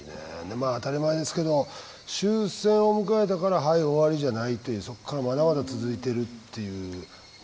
まあ当たり前ですけど終戦を迎えたから「はい終わり」じゃないというそこからまだまだ続いてるっていう。ね？